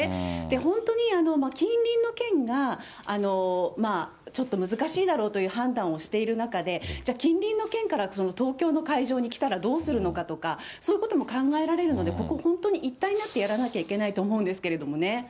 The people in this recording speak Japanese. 本当に近隣の県が、ちょっと難しいだろうという判断をしている中で、じゃあ、近隣の県から東京の会場に来たらどうするのかとか、そういうことも考えられるので、ここ、本当に一体になってやらないといけないと思うんですよね。